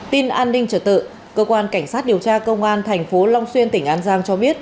tin an ninh trở tự cơ quan cảnh sát điều tra công an thành phố long xuyên tỉnh an giang cho biết